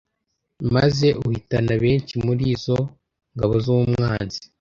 maze uhitana benshi muri izo ngabo z’umwanzi